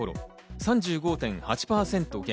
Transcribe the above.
３５．８％減。